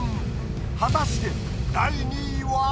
果たして第２位は？